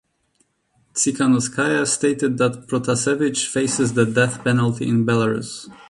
Tsikhanouskaya stated that Protasevich "faces the death penalty" in Belarus.